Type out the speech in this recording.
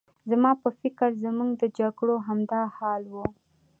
زما په فکر زموږ د جګړو همدا حال و.